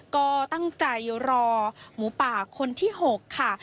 ก็ตั้งใจรอหมูป่าคนที่๖ค่ะ